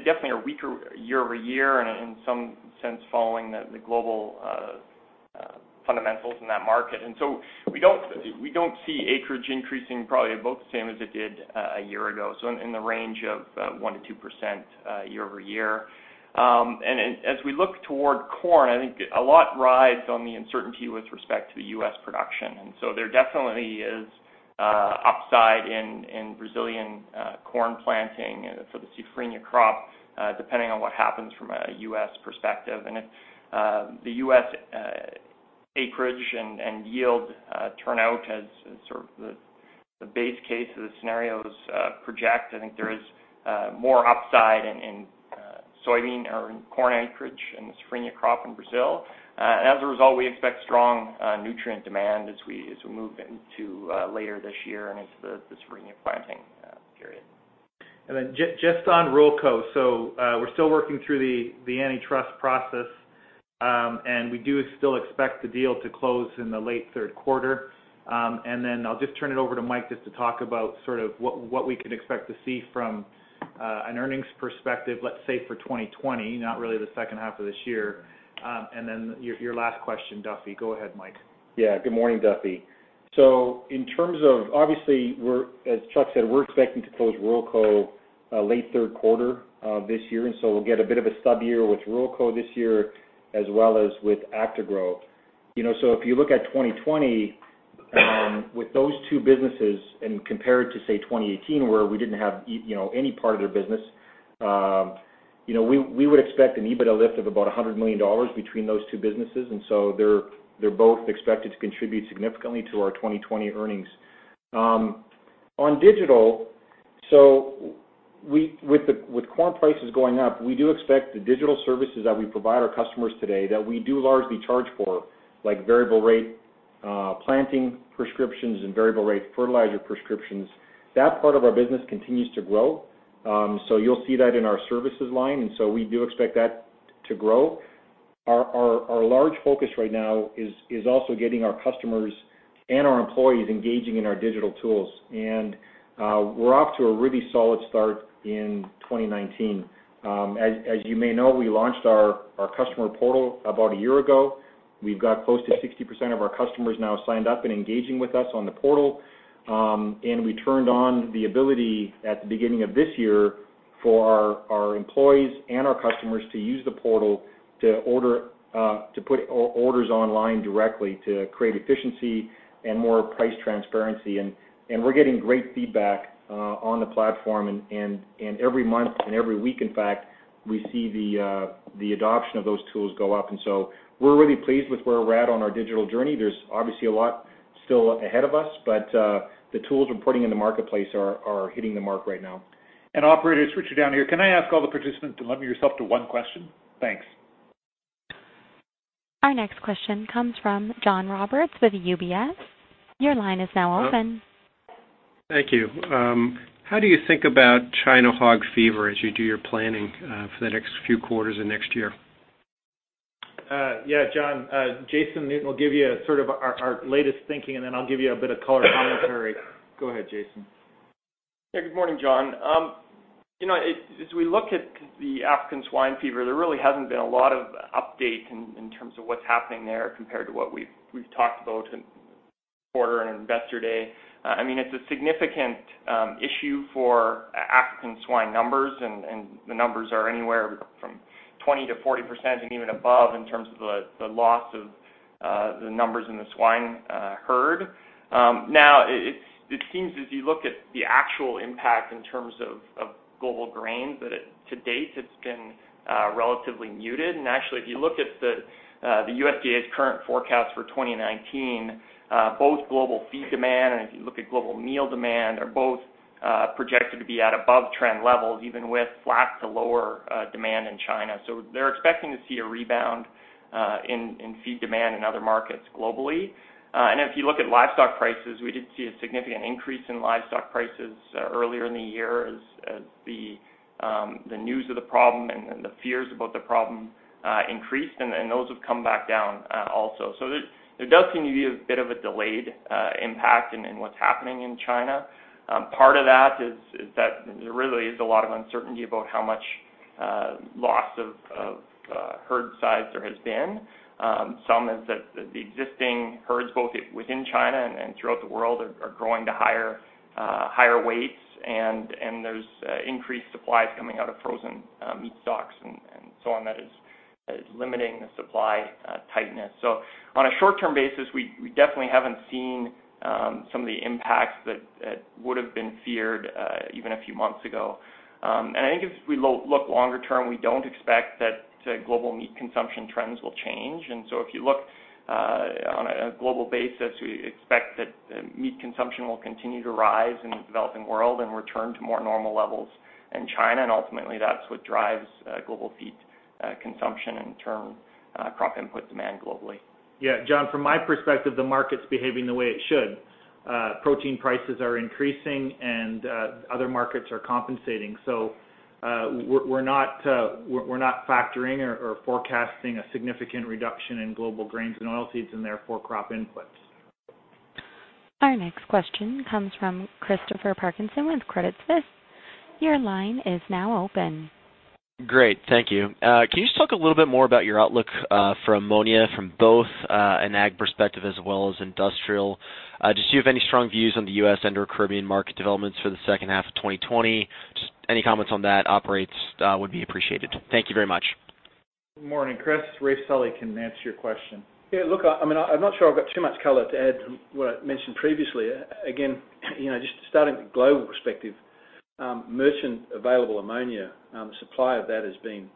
definitely are weaker year-over-year and in some sense following the global fundamentals in that market. We don't see acreage increasing probably about the same as it did a year ago, in the range of 1%-2% year-over-year. As we look toward corn, I think a lot rides on the uncertainty with respect to the U.S. production. There definitely is upside in Brazilian corn planting for the safrinha crop, depending on what happens from a U.S. perspective. If the U.S. acreage and yield turn out as sort of the base case of the scenarios project, I think there is more upside in corn acreage in the safrinha crop in Brazil. As a result, we expect strong nutrient demand as we move into later this year and into the safrinha planting period. Just on Ruralco, we're still working through the antitrust process. We do still expect the deal to close in the late third quarter. I'll just turn it over to Mike just to talk about sort of what we can expect to see from an earnings perspective, let's say for 2020, not really the second half of this year. Your last question, Duffy. Go ahead, Mike. Good morning, Duffy. In terms of, obviously as Chuck said, we're expecting to close Ruralco late third quarter of this year, we'll get a bit of a stub year with Ruralco this year as well as with Actagro. If you look at 2020, with those two businesses and compare it to, say, 2018, where we didn't have any part of their business, we would expect an EBITDA lift of about $100 million between those two businesses, they're both expected to contribute significantly to our 2020 earnings. On digital, with corn prices going up, we do expect the digital services that we provide our customers today that we do largely charge for, like variable rate planting prescriptions and variable rate fertilizer prescriptions, that part of our business continues to grow. You'll see that in our services line, we do expect that to grow. Our large focus right now is also getting our customers and our employees engaging in our digital tools, and we're off to a really solid start in 2019. As you may know, we launched our customer portal about a year ago. We've got close to 60% of our customers now signed up and engaging with us on the portal, and we turned on the ability at the beginning of this year for our employees and our customers to use the portal to put orders online directly to create efficiency and more price transparency. We're getting great feedback on the platform, every month, every week in fact, we see the adoption of those tools go up. We're really pleased with where we're at on our digital journey. There's obviously a lot still ahead of us, but the tools we're putting in the marketplace are hitting the mark right now. Operator, switching down here, can I ask all the participants to limit yourself to one question? Thanks. Our next question comes from John Roberts with UBS. Your line is now open. Thank you. How do you think about African Swine Fever as you do your planning for the next few quarters and next year? Yeah, John, Jason Newton will give you sort of our latest thinking, and then I'll give you a bit of color commentary. Go ahead, Jason. Yeah, good morning, John. As we look at the African Swine Fever, there really hasn't been a lot of update in terms of what's happening there compared to what we've talked about in the quarter and Investor Day. It's a significant issue for African Swine numbers, the numbers are anywhere from 20%-40% and even above in terms of the loss of the numbers in the swine herd. It seems as you look at the actual impact in terms of global grains, that to date it's been relatively muted. Actually, if you look at the USDA's current forecast for 2019, both global feed demand and if you look at global meal demand, are both projected to be at above-trend levels, even with flat to lower demand in China. They're expecting to see a rebound in feed demand in other markets globally. If you look at livestock prices, we did see a significant increase in livestock prices earlier in the year as the news of the problem and the fears about the problem increased, and those have come back down also. There does seem to be a bit of a delayed impact in what's happening in China. Part of that is that there really is a lot of uncertainty about how much loss of herd size there has been. Some is that the existing herds, both within China and throughout the world, are growing to higher weights, and there's increased supplies coming out of frozen meat stocks and so on that is limiting the supply tightness. On a short-term basis, we definitely haven't seen some of the impacts that would've been feared even a few months ago. I think if we look longer term, we don't expect that global meat consumption trends will change. If you look on a global basis, we expect that meat consumption will continue to rise in the developing world and return to more normal levels in China, and ultimately that's what drives global feed consumption in turn crop input demand globally. John, from my perspective, the market's behaving the way it should. Protein prices are increasing and other markets are compensating. We're not factoring or forecasting a significant reduction in global grains and oilseeds, and therefore crop inputs. Our next question comes from Christopher Parkinson with Credit Suisse. Your line is now open. Great, thank you. Can you just talk a little bit more about your outlook for ammonia from both an ag perspective as well as industrial? Do you have any strong views on the U.S. and/or Caribbean market developments for the second half of 2020? Any comments on that operates would be appreciated. Thank you very much. Good morning, Chris. Raef Sully can answer your question. Yeah, look, I'm not sure I've got too much color to add from what I mentioned previously. Just starting with the global perspective, merchant available ammonia, the supply of that has been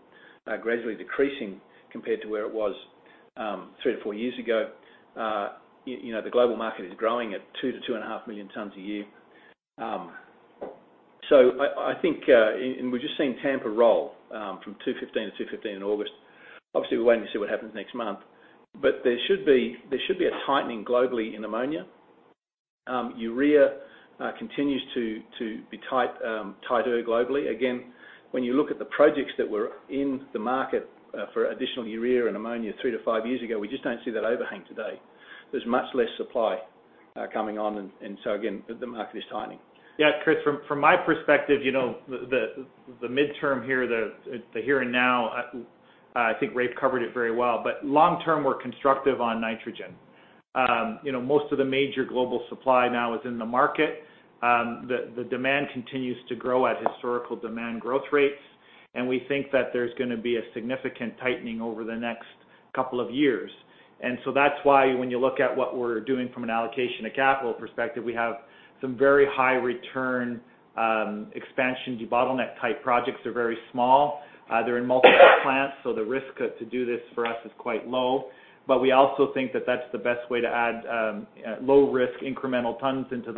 gradually decreasing compared to where it was three to four years ago. The global market is growing at 2 million tons-2.5 million tons a year. I think, and we've just seen Tampa roll from $215-$215 in August. Obviously, we're waiting to see what happens next month. There should be a tightening globally in ammonia. Urea continues to be tighter globally. When you look at the projects that were in the market for additional urea and ammonia three to five years ago, we just don't see that overhang today. There's much less supply coming on, again, the market is tightening. Chris, from my perspective, the midterm here, the here and now. I think Raef covered it very well. Long term, we're constructive on nitrogen. Most of the major global supply now is in the market. The demand continues to grow at historical demand growth rates, and we think that there's going to be a significant tightening over the next couple of years. That's why when you look at what we're doing from an allocation of capital perspective, we have some very high return expansion debottleneck type projects, they're very small. They're in multiple plants, so the risk to do this for us is quite low. We also think that that's the best way to add low risk incremental tons into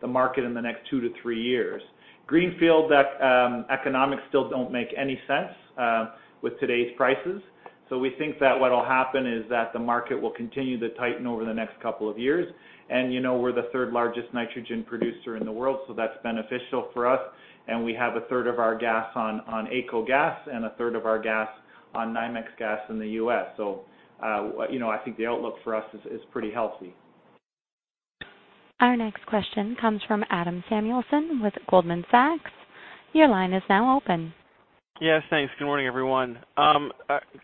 the market in the next two to three years. Greenfield economics still don't make any sense with today's prices. We think that what'll happen is that the market will continue to tighten over the next couple of years. We're the third largest nitrogen producer in the world, so that's beneficial for us. We have a third of our gas on AECO Gas and a third of our gas on NYMEX Gas in the U.S. I think the outlook for us is pretty healthy. Our next question comes from Adam Samuelson with Goldman Sachs. Your line is now open. Yes, thanks. Good morning, everyone.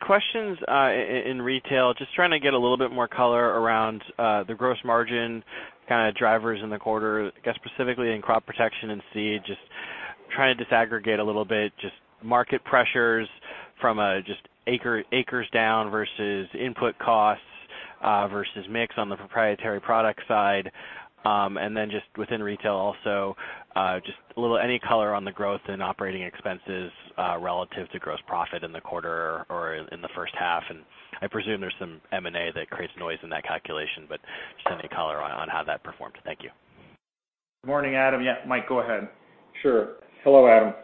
Questions in Retail, trying to get a little bit more color around the gross margin drivers in the quarter, I guess specifically in crop protection and seed. Trying to disaggregate a little bit, market pressures from acres down versus input costs, versus mix on the proprietary product side. Then within Retail also, any color on the growth in operating expenses relative to gross profit in the quarter or in the first half. I presume there's some M&A that creates noise in that calculation, but any color on how that performed. Thank you. Good morning, Adam. Yeah, Mike, go ahead. Sure. Hello, Adam.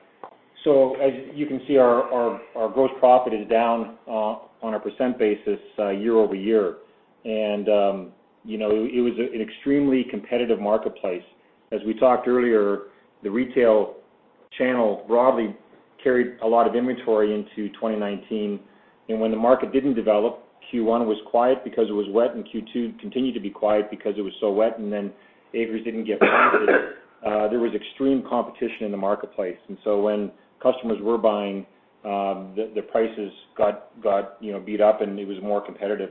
As you can see, our gross profit is down on a percentage basis year-over-year. It was an extremely competitive marketplace. As we talked earlier, the Retail channel broadly carried a lot of inventory into 2019. When the market didn't develop, Q1 was quiet because it was wet, Q2 continued to be quiet because it was so wet, acres didn't get planted. There was extreme competition in the marketplace, when customers were buying, the prices got beat up, it was more competitive.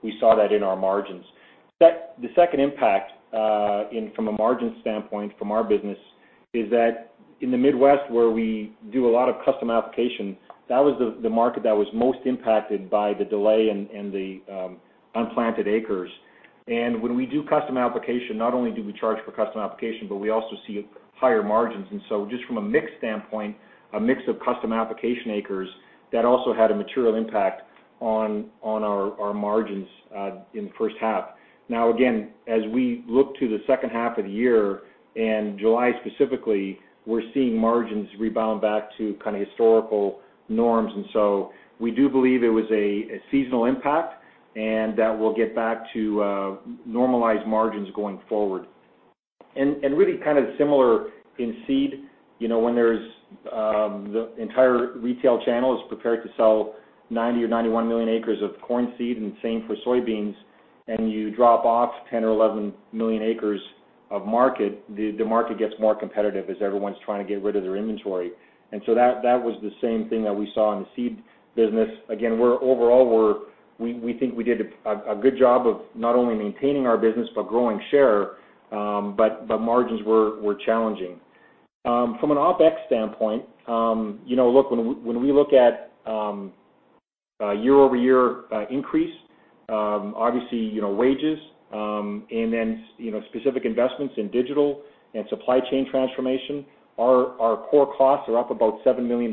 We saw that in our margins. The second impact from a margin standpoint from our business is that in the Midwest, where we do a lot of custom application, that was the market that was most impacted by the delay and the unplanted acres. When we do custom application, not only do we charge for custom application, but we also see higher margins. Just from a mix standpoint, a mix of custom application acres, that also had a material impact on our margins in the first half. Now, again, as we look to the second half of the year, and July specifically, we're seeing margins rebound back to kind of historical norms. We do believe it was a seasonal impact, and that we'll get back to normalized margins going forward. Really kind of similar in seed, when the entire Retail channel is prepared to sell 90 million acres or 91 million acres of corn seed, and same for soybeans, and you drop off 10 million acres or 11 million acres of market, the market gets more competitive as everyone's trying to get rid of their inventory. That was the same thing that we saw in the seed business. Again, overall, we think we did a good job of not only maintaining our business, but growing share, but margins were challenging. From an OpEx standpoint, when we look at year-over-year increase, obviously, wages, and then specific investments in digital and supply chain transformation, our core costs are up about $7 million.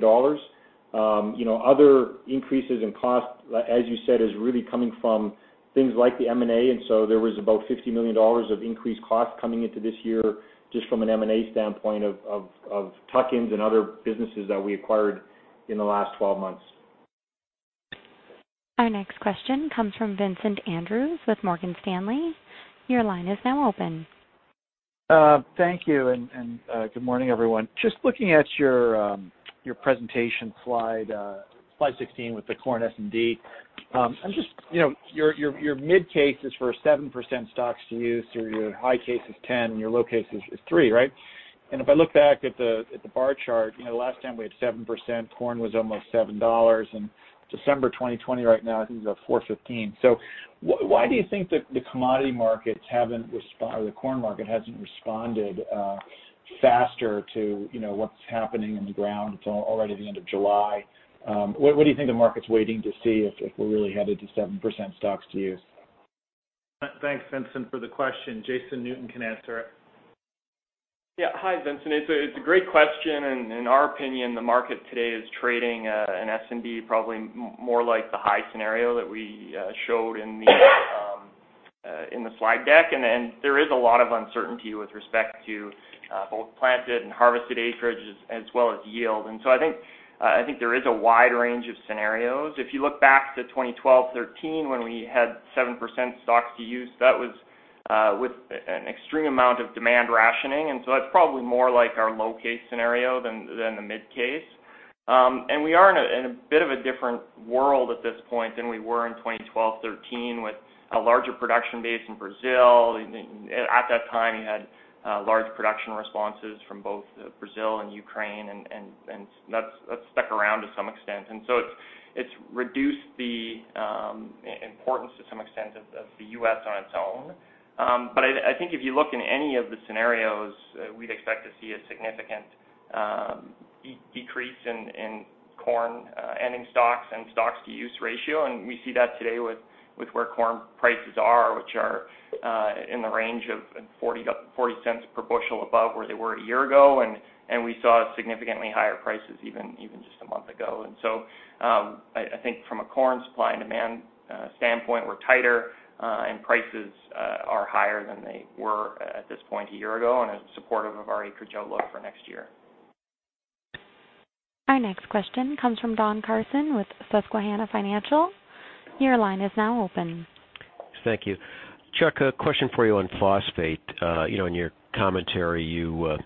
Other increases in cost, as you said, is really coming from things like the M&A. There was about $50 million of increased cost coming into this year, just from an M&A standpoint of tuck-ins and other businesses that we acquired in the last 12 months. Our next question comes from Vincent Andrews with Morgan Stanley. Your line is now open. Thank you. Good morning, everyone. Just looking at your presentation slide 16 with the corn S&D. Your mid case is for 7% stocks to use, your high case is 10%, your low case is 3%, right? If I look back at the bar chart, the last time we had 7%, corn was almost $7 in December 2020. Right now, I think it's $4.15. Why do you think that the corn market hasn't responded faster to what's happening on the ground? It's already the end of July. What do you think the market's waiting to see if we're really headed to 7% stocks to use? Thanks, Vincent, for the question. Jason Newton can answer it. Yeah. Hi, Vincent. It's a great question, and in our opinion, the market today is trading an S&D probably more like the high scenario that we showed in the slide deck. There is a lot of uncertainty with respect to both planted and harvested acreage as well as yield. I think there is a wide range of scenarios. If you look back to 2012, 2013, when we had 7% stocks to use, that was with an extreme amount of demand rationing. That's probably more like our low case scenario than the mid case. We are in a bit of a different world at this point than we were in 2012, 2013 with a larger production base in Brazil. At that time, you had large production responses from both Brazil and Ukraine, and that's stuck around to some extent. It's reduced the importance to some extent of the U.S. on its own. I think if you look in any of the scenarios, we'd expect to see a significant decrease in corn, ending stocks, and stocks to use ratio. We see that today with where corn prices are, which are in the range of $0.40 per bushel above where they were a year ago. We saw significantly higher prices even just a month ago. I think from a corn supply and demand standpoint, we're tighter and prices are higher than they were at this point a year ago, and is supportive of our acreage outlook for next year. Our next question comes from Don Carson with Susquehanna Financial. Your line is now open. Thank you. Chuck, a question for you on phosphate. In your commentary, you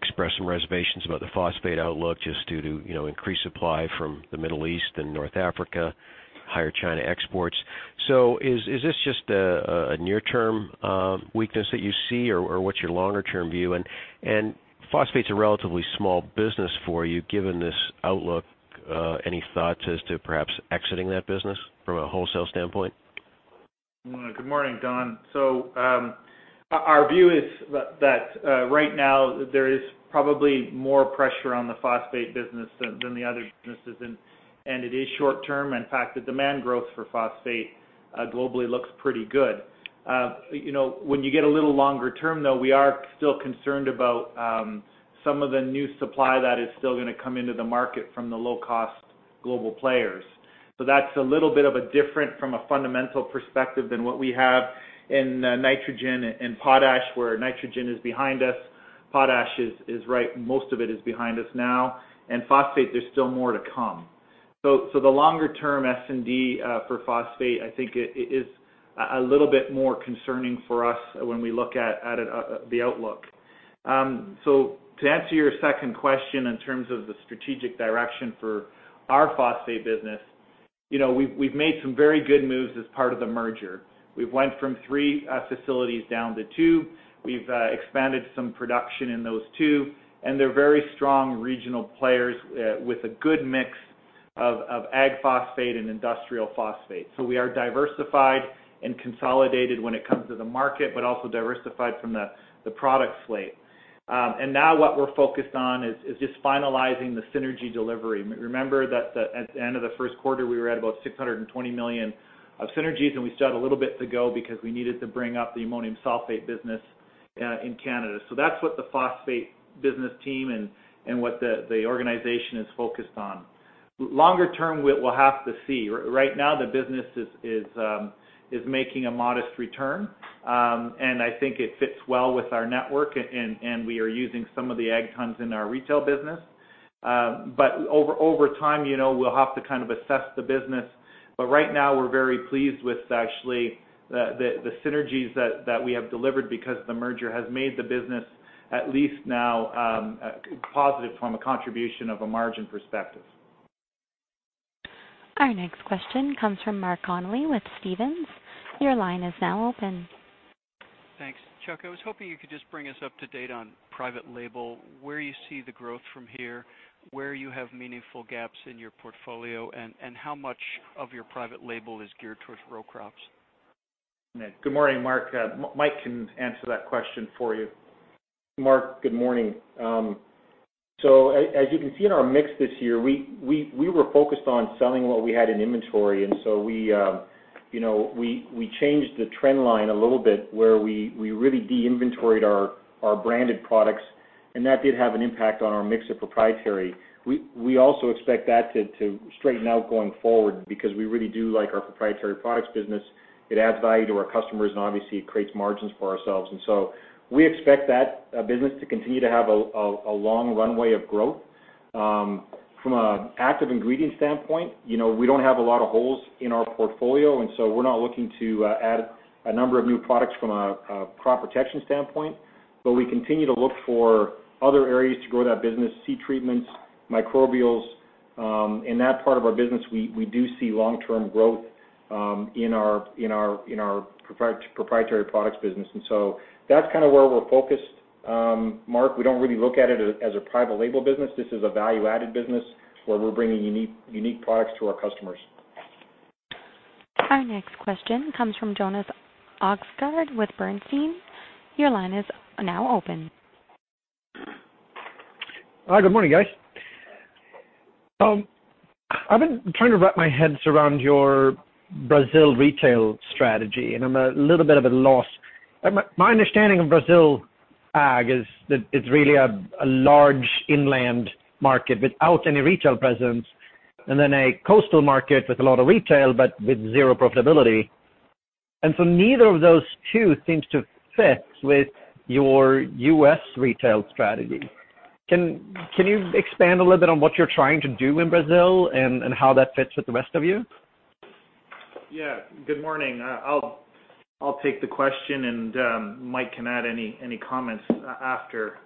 expressed some reservations about the phosphate outlook just due to increased supply from the Middle East and North Africa, higher China exports. Is this just a near-term weakness that you see, or what's your longer-term view? Phosphate's a relatively small business for you. Given this outlook, any thoughts as to perhaps exiting that business from a wholesale standpoint? Good morning, Don. Our view is that right now there is probably more pressure on the phosphate business than the other businesses, and it is short-term. In fact, the demand growth for phosphate globally looks pretty good. When you get a little longer term, though, we are still concerned about some of the new supply that is still going to come into the market from the low-cost global players. That's a little bit of a different from a fundamental perspective than what we have in nitrogen and potash, where nitrogen is behind us, potash, most of it is behind us now. In phosphate, there's still more to come. The longer-term S&D for phosphate, I think is a little bit more concerning for us when we look at the outlook. To answer your second question in terms of the strategic direction for our phosphate business, we've made some very good moves as part of the merger. We've went from three facilities down to two. We've expanded some production in those two, they're very strong regional players with a good mix of ag phosphate and industrial phosphate. We are diversified and consolidated when it comes to the market, also diversified from the product slate. Now what we're focused on is just finalizing the synergy delivery. Remember that at the end of the first quarter, we were at about $620 million of synergies, we still had a little bit to go because we needed to bring up the ammonium sulfate business in Canada. That's what the phosphate business team and what the organization is focused on. Longer term, we'll have to see. Right now the business is making a modest return. I think it fits well with our network, and we are using some of the ag tons in our Retail business. Over time, we'll have to assess the business. Right now we're very pleased with actually the synergies that we have delivered because the merger has made the business at least now positive from a contribution of a margin perspective. Our next question comes from Mark Connelly with Stephens. Your line is now open. Thanks. Chuck, I was hoping you could just bring us up to date on private label, where you see the growth from here, where you have meaningful gaps in your portfolio, and how much of your private label is geared towards row crops? Good morning, Mark. Mike can answer that question for you. Mark, good morning. As you can see in our mix this year, we were focused on selling what we had in inventory, we changed the trend line a little bit where we really de-inventoried our branded products, that did have an impact on our mix of proprietary. We also expect that to straighten out going forward because we really do like our proprietary products business. It adds value to our customers, obviously it creates margins for ourselves, we expect that business to continue to have a long runway of growth. From an active ingredient standpoint, we don't have a lot of holes in our portfolio, we're not looking to add a number of new products from a crop protection standpoint. We continue to look for other areas to grow that business, seed treatments, microbials. In that part of our business, we do see long-term growth in our proprietary products business, and so that's where we're focused, Mark. We don't really look at it as a private label business. This is a value-added business where we're bringing unique products to our customers. Our next question comes from Jonas Oxgaard with Bernstein. Your line is now open. Hi, good morning, guys. I've been trying to wrap my head around your Brazil Retail strategy, and I'm a little bit at a loss. My understanding of Brazil ag is that it's really a large inland market without any retail presence, then a coastal market with a lot of retail, but with zero profitability. Neither of those two seems to fit with your U.S. Retail strategy. Can you expand a little bit on what you're trying to do in Brazil and how that fits with the rest of you? Yeah, good morning. I'll take the question and Mike can add any comments after.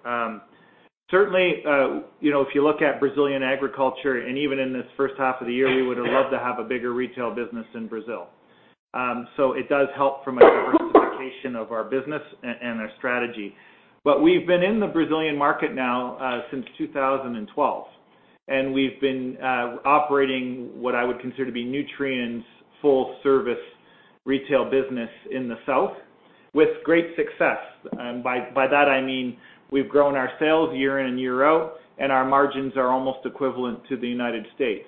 Certainly, if you look at Brazilian agriculture, and even in this first half of the year, we would have loved to have a bigger Retail business in Brazil. It does help from a diversification of our business and our strategy. We've been in the Brazilian market now since 2012, and we've been operating what I would consider to be Nutrien's full service Retail business in the south with great success. By that I mean we've grown our sales year in and year out, and our margins are almost equivalent to the United States.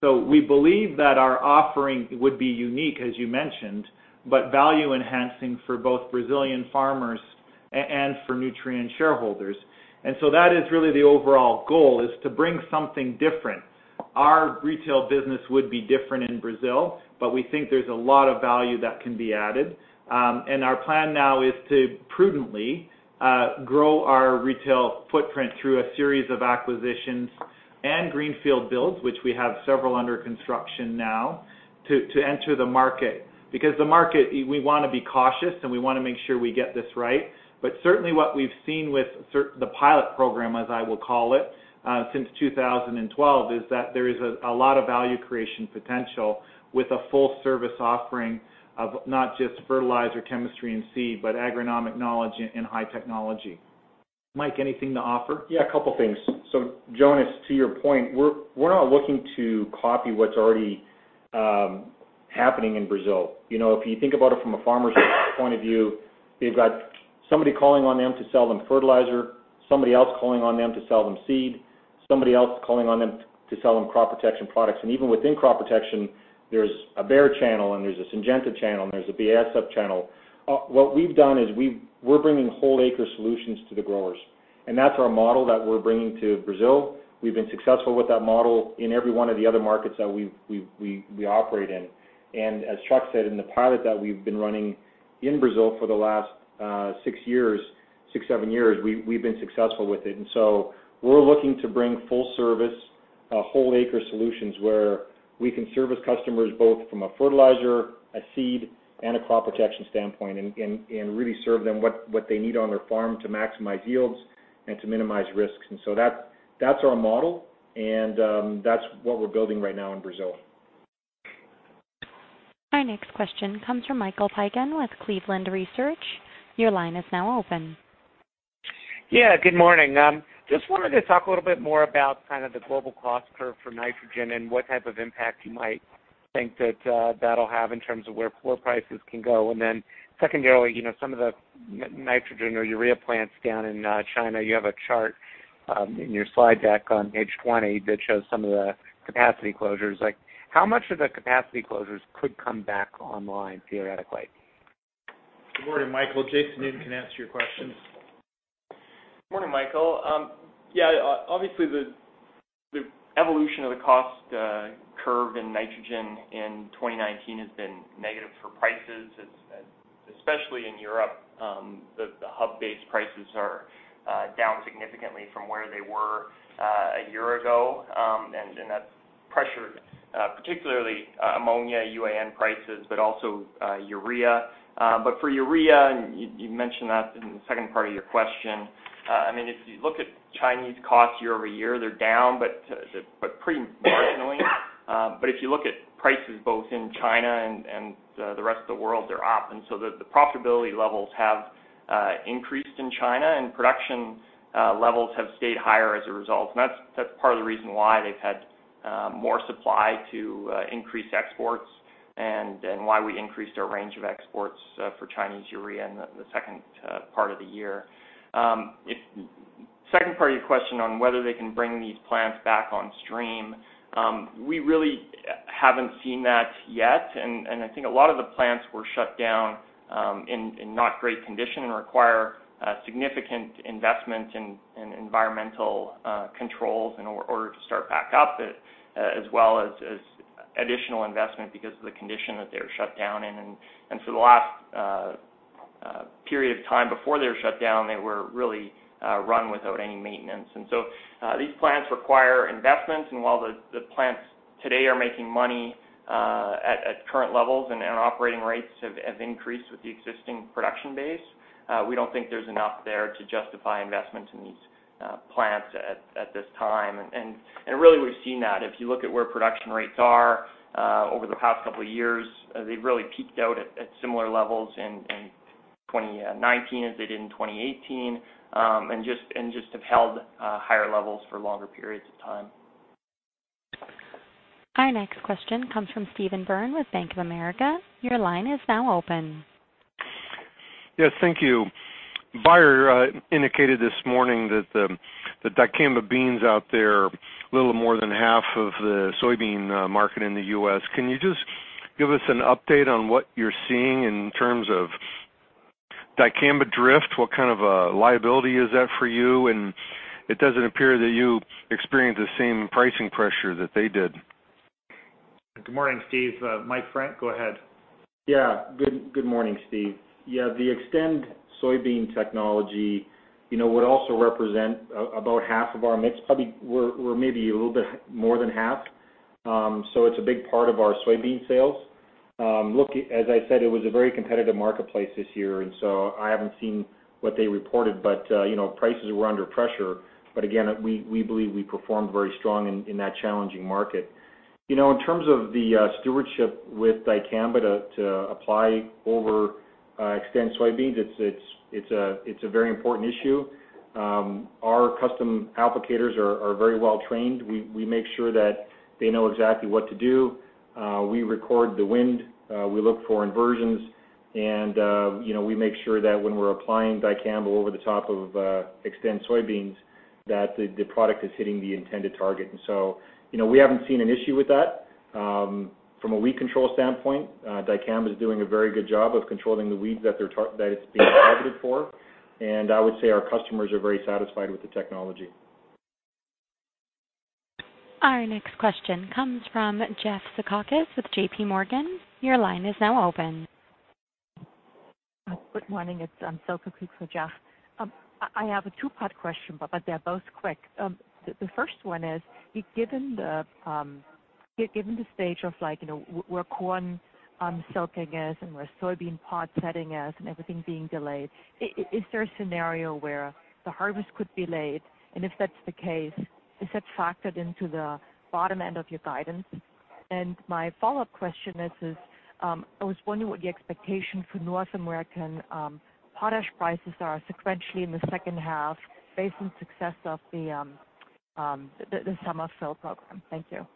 We believe that our offering would be unique, as you mentioned, but value enhancing for both Brazilian farmers and for Nutrien shareholders. That is really the overall goal, is to bring something different. Our Retail business would be different in Brazil, but we think there's a lot of value that can be added. Our plan now is to prudently grow our Retail footprint through a series of acquisitions and greenfield builds, which we have several under construction now to enter the market. The market, we want to be cautious, and we want to make sure we get this right. Certainly what we've seen with the pilot program, as I will call it, since 2012, is that there is a lot of value creation potential with a full service offering of not just fertilizer, chemistry, and seed, but agronomic knowledge and high technology. Mike, anything to offer? Yeah, a couple things. Jonas, to your point, we're not looking to copy what's already happening in Brazil. If you think about it from a farmer's point of view, they've got somebody calling on them to sell them fertilizer, somebody else calling on them to sell them seed, somebody else calling on them to sell them crop protection products. Even within crop protection, there's a Bayer channel, and there's a Syngenta channel, and there's a BASF channel. What we've done is we're bringing whole acre solutions to the growers, and that's our model that we're bringing to Brazil. We've been successful with that model in every one of the other markets that we operate in. As Chuck said, in the pilot that we've been running in Brazil for the last six, seven years, we've been successful with it. We're looking to bring full service whole acre solutions where we can service customers both from a fertilizer, a seed, and a crop protection standpoint, and really serve them what they need on their farm to maximize yields and to minimize risks. That's our model, and that's what we're building right now in Brazil. Our next question comes from Michael Piken with Cleveland Research. Your line is now open. Yeah, good morning. Just wanted to talk a little bit more about kind of the global cost curve for nitrogen and what type of impact you might think that that'll have in terms of where floor prices can go. Secondarily, some of the nitrogen or urea plants down in China, you have a chart in your slide deck on page 20 that shows some of the capacity closures. How much of the capacity closures could come back online theoretically? Good morning, Michael. Jason Newton can answer your questions. Morning, Michael. Yeah, obviously the evolution of the cost curve in nitrogen in 2019 has been negative for prices, especially in Europe. The hub-based prices are down significantly from where they were a year ago, and that's pressured particularly ammonia, UAN prices, but also urea. For urea, and you mentioned that in the second part of your question, if you look at Chinese costs year-over-year, they're down, but pretty marginally. If you look at prices both in China and the rest of the world, they're up. The profitability levels have increased in China, and production levels have stayed higher as a result. That's part of the reason why they've had more supply to increase exports and why we increased our range of exports for Chinese urea in the second part of the year. Second part of your question on whether they can bring these plants back on stream. We really haven't seen that yet, and I think a lot of the plants were shut down in not great condition and require significant investment in environmental controls in order to start back up, as well as additional investment because of the condition that they were shut down in. The last period of time before they were shut down, they were really run without any maintenance. These plants require investments. While the plants today are making money at current levels and operating rates have increased with the existing production base, we don't think there's enough there to justify investments in these plants at this time. Really, we've seen that. You look at where production rates are over the past couple of years, they've really peaked out at similar levels in 2019 as they did in 2018, and just have held higher levels for longer periods of time. Our next question comes from Stephen Byrne with Bank of America. Your line is now open. Yes. Thank you. Bayer indicated this morning that the dicamba beans out there, a little more than half of the soybean market in the U.S. Can you just give us an update on what you're seeing in terms of dicamba drift? What kind of a liability is that for you? It doesn't appear that you experienced the same pricing pressure that they did. Good morning, Steve. Mike Frank, go ahead. Good morning, Steve. The Xtend soybean technology would also represent about half of our mix. Probably we're maybe a little bit more than half. It's a big part of our soybean sales. As I said, it was a very competitive marketplace this year, I haven't seen what they reported, prices were under pressure. Again, we believe we performed very strong in that challenging market. In terms of the stewardship with dicamba to apply over Xtend soybeans, it's a very important issue. Our custom applicators are very well-trained. We make sure that they know exactly what to do, we record the wind, we look for inversions and we make sure that when we're applying dicamba over the top of Xtend soybeans, that the product is hitting the intended target. We haven't seen an issue with that. From a weed control standpoint, dicamba is doing a very good job of controlling the weeds that it's being targeted for, and I would say our customers are very satisfied with the technology. Our next question comes from Jeff Zekauskas with JPMorgan. Your line is now open. Good morning, it's Silke Kueck for Jeff. I have a two-part question, but they're both quick. The first one is, given the stage of where corn silking is and where soybean pod setting is and everything being delayed, is there a scenario where the harvest could be late? If that's the case, is that factored into the bottom end of your guidance? My follow-up question is, I was wondering what the expectation for North American potash prices are sequentially in the second half based on success of the summer fill program. Thank you.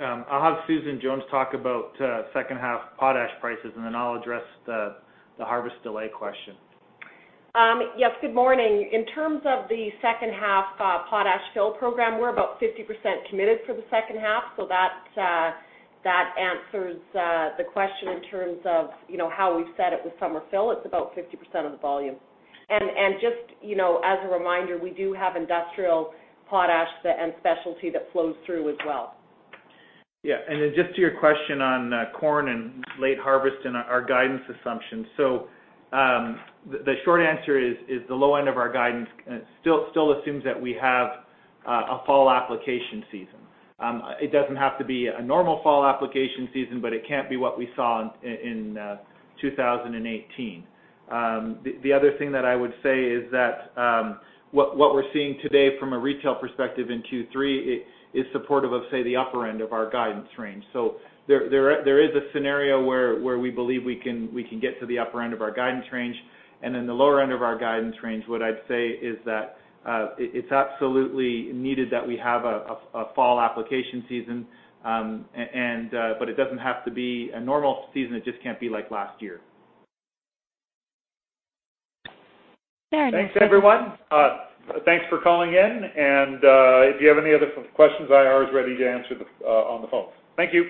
I'll have Susan Jones talk about second half potash prices, and then I'll address the harvest delay question. Yes, good morning. In terms of the second half potash fill program, we're about 50% committed for the second half, that answers the question in terms of how we've set it with summer fill. It's about 50% of the volume. Just as a reminder, we do have industrial potash and specialty that flows through as well. Yeah. Just to your question on corn and late harvest and our guidance assumptions. The short answer is the low end of our guidance still assumes that we have a fall application season. It doesn't have to be a normal fall application season, but it can't be what we saw in 2018. The other thing that I would say is that what we're seeing today from a Retail perspective in Q3 is supportive of, say, the upper end of our guidance range. There is a scenario where we believe we can get to the upper end of our guidance range. The lower end of our guidance range, what I'd say is that it's absolutely needed that we have a fall application season, but it doesn't have to be a normal season. It just can't be like last year. Very- Thanks, everyone. Thanks for calling in, and if you have any other questions, IR is ready to answer on the phone. Thank you.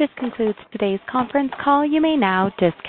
This concludes today's conference call. You may now disconnect.